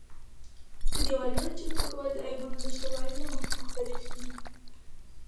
د دېوالونو چمتو کول د عیبونو له شتوالي له مخې مختلف دي.